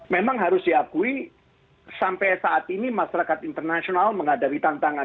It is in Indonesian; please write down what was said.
memang harus diakui sampai saat ini masyarakat internasional menghadapi tantangan